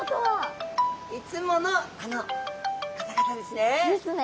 いつものあの方々ですね。ですね。